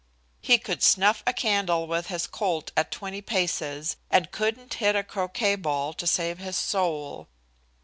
He could snuff a candle with his Colt at twenty paces and couldn't hit a croquet ball to save his soul.